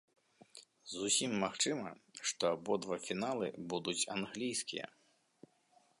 Зусім магчыма, што абодва фіналы будуць англійскія.